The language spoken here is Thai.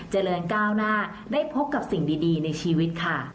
เจริญก้าวหน้าได้พบกับสิ่งดีในชีวิตค่ะ